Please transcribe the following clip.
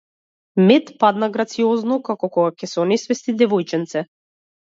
Мет падна грациозно, како кога ќе се онесвести девојченце.